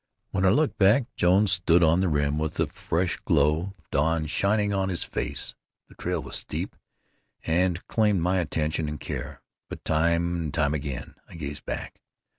When I looked back Jones stood on the rim with the fresh glow of dawn shining on his face. The trail was steep, and claimed my attention and care, but time and time again I gazed back.